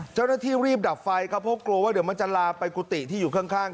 เจ้าหน้าที่รีบดับไฟครับเพราะกลัวว่าเดี๋ยวมันจะลามไปกุฏิที่อยู่ข้าง